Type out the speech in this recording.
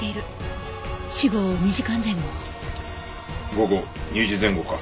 午後２時前後か。